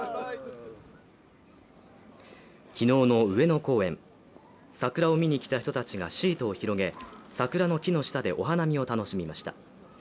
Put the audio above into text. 昨日の上野公園、桜を見に来た人たちがシートを広げ、桜の木の下でお花見を楽しみました。